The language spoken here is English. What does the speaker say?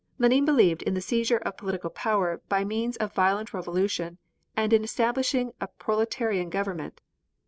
Lenine believed in the seizure of political power by means of violent revolution and in establishing a proletarian government.